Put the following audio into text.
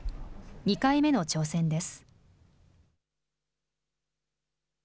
２回目の挑戦です。